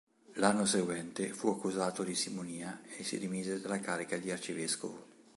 L'anno seguente fu accusato di simonia e si dimise dalla carica di arcivescovo.